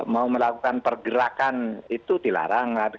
mau melakukan pergerakan itu dilarang